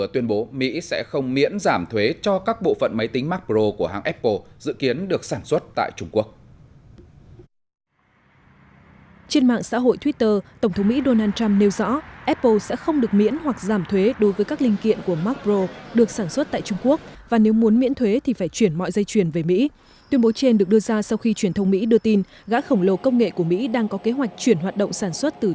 tổng thống mỹ donald trump vừa tuyên bố mỹ sẽ không miễn giảm thuế cho các bộ phận máy tính macro của hàng apple dự kiến được sản xuất